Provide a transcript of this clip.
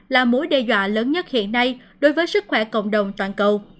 là mối đe dọa lớn nhất hiện nay đối với sức khỏe cộng đồng toàn cầu